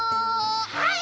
はい！